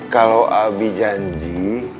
kalau abi janji